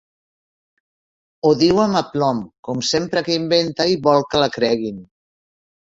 Ho diu amb aplom, com sempre que inventa i vol que la creguin.